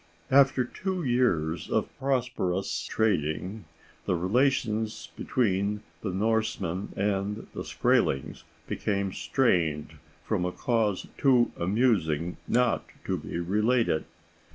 After two years of prosperous trading, the relations between the Norsemen and the Skraelings became strained from a cause too amusing not to be related.